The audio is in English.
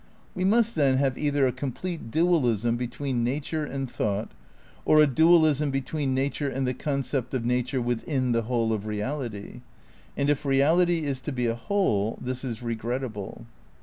We must then have either a complete dualism be tween nature and thought, or a dualism between nature and the concept of nature within the whole of reality ; and if reality is to be a whole this is regrettable.